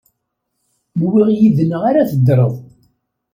Nwiɣ yid-neɣ ara teddreḍ.